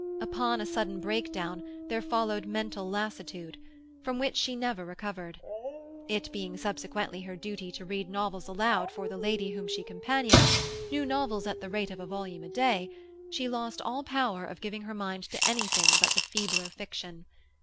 Upon a sudden breakdown there followed mental lassitude, from which she never recovered. It being subsequently her duty to read novels aloud for the lady whom she "companioned," new novels at the rate of a volume a day, she lost all power of giving her mind to anything but the feebler fiction.